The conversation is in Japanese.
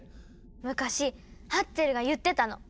昔ハッチェルが言ってたの。